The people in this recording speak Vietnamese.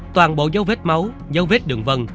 toàn bộ dấu vết máu dấu vết đường vân